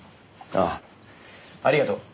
ああありがとう。